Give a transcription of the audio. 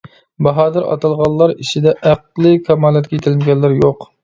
باھادىر ئاتالغانلار ئىچىدە ئەقلىي كامالەتكە يېتەلمىگەنلەر يوق.